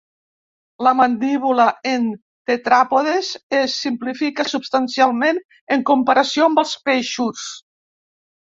La mandíbula en tetràpodes es simplifica substancialment en comparació amb els peixos.